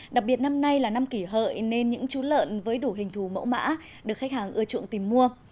đặc biệt năm nay là năm kỷ hợi nên những chú lợn với đủ hình thù mẫu mã được khách hàng ưa chuộng tìm mua